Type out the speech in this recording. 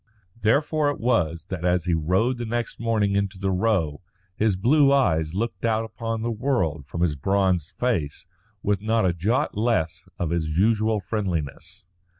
Therefore it was that as he rode the next morning into the Row his blue eyes looked out upon the world from his bronzed face with not a jot less of his usual friendliness.